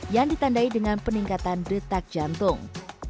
yang ditandai dengan peningkatan detak jantung